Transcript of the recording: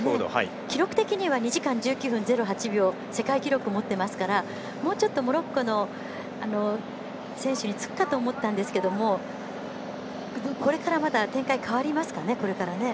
記録的には２時間１９秒０８秒という世界記録を持っていますからもうちょっとモロッコの選手につくかと思ったんですけどこれから、展開が変わりますかね。